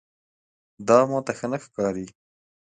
دا ماته ښه نه ښکاري.